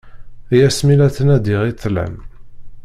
Ay ass mi la ttnadiɣ i ṭṭlam.